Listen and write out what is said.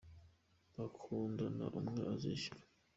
bakundana umwe azishyura.